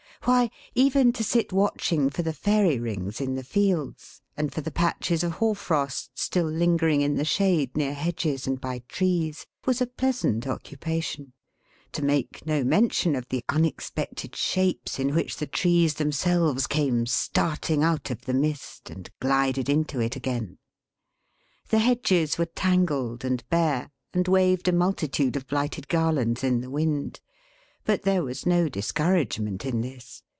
Why, even to sit watching for the Fairy rings in the fields, and for the patches of hoar frost still lingering in the shade, near hedges and by trees, was a pleasant occupation: to make no mention of the unexpected shapes in which the trees themselves came starting out of the mist, and glided into it again. The hedges were tangled and bare, and waved a multitude of blighted garlands in the wind; but there was no discouragement in this.